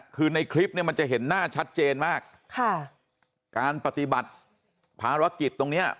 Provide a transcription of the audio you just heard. คือในคลิปเนี่ยมันจะเห็นหน้าชัดเจนมากค่ะการปฏิบัติภารกิจตรงเนี้ย